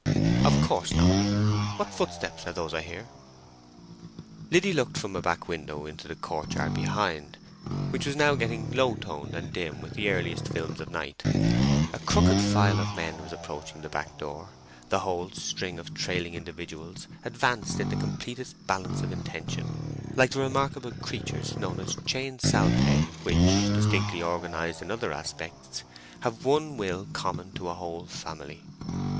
"Of course not—what footsteps are those I hear?" Liddy looked from a back window into the courtyard behind, which was now getting low toned and dim with the earliest films of night. A crooked file of men was approaching the back door. The whole string of trailing individuals advanced in the completest balance of intention, like the remarkable creatures known as Chain Salpæ, which, distinctly organized in other respects, have one will common to a whole family.